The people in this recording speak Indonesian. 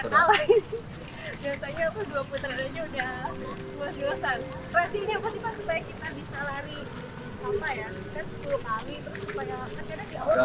terus supaya akhirnya di awal sepuluh kali